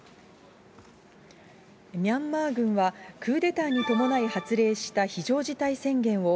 ミャンマー軍は、クーデターに伴い発令した非常事態宣言を、